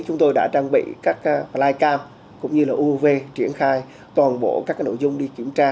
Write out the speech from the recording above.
chúng tôi đã trang bị các flycam cũng như là uav triển khai toàn bộ các nội dung đi kiểm tra